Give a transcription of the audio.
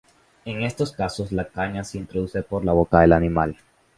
En estos casos, la caña se introduce por la boca del animal.